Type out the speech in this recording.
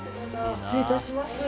失礼いたします。